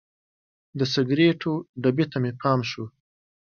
د سګریټو ډبي ته مې پام شو.